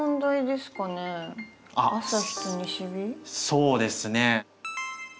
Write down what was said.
そうですね。